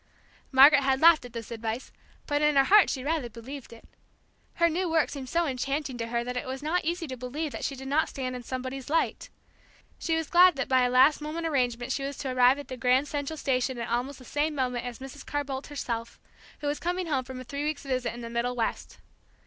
Margaret had laughed at this advice, but in her heart she rather believed it. Her new work seemed so enchanting to her that it was not easy to believe that she did not stand in somebody's light. She was glad that by a last moment arrangement she was to arrive at the Grand Central Station at almost the same moment as Mrs. Carr Boldt herself, who was coming home from a three weeks' visit in the middle west.